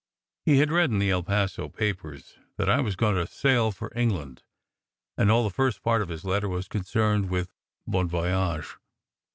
He had read in the El Paso papers that I was going to sail for England, and all the first part of his letter was con cerned with "bon voyage."